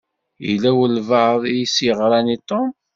Yella walebɛaḍ i s-yeɣṛan i Tom.